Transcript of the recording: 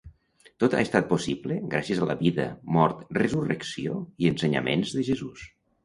Tot ha estat possible gràcies a la vida, mort, resurrecció i ensenyaments de Jesús.